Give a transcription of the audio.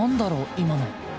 今の。